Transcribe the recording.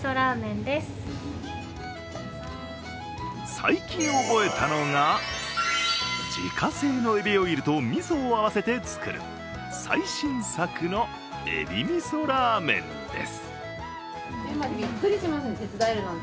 最近覚えたのが、自家製のえびオイルとみそを合わせて作る最新作のえび味噌らーめんです。